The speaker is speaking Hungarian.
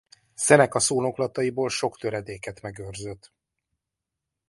Seneca szónoklataiból sok töredéket megőrzött.